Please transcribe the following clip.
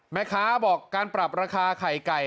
แม่ค้าบอกการปรับราคาไข่ไก่